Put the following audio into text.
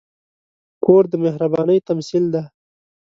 کور د مهربانۍ تمثیل دی.